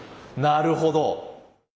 なるほど。